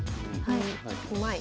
うまい。